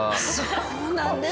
そうなんです。